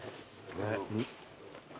ねっ。